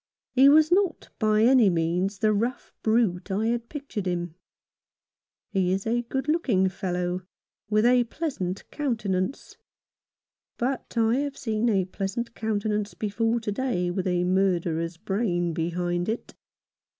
He is not by any means the rough brute I had pictured him. He is a good looking 135 Rough Justice. fellow, with a pleasant countenance ; but I have seen a pleasant countenance before to day with a murderer's brain behind it.